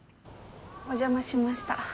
お邪魔しました。